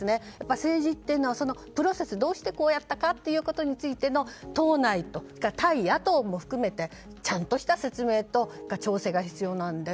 政治というのはプロセスどうしてこうやったかというところについて党内と対野党も含めてちゃんとした説明と調整が必要なので。